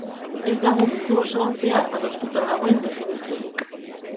Ez dago mundu osoan zehar adostuta dagoen definiziorik.